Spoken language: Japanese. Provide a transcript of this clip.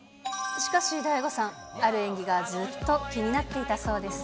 しかし、大悟さん、ある演技がずっと気になっていたそうです。